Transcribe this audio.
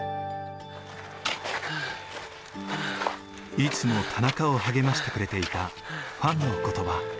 いつも田中を励ましてくれていたファンの言葉。